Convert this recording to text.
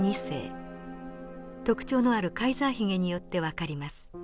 特徴のあるカイザー髭によって分かります。